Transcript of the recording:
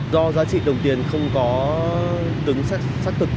do giá trị đồng tiền không có cứng xác thực